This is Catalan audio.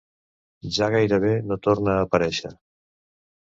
Ja gairebé no torna a aparèixer.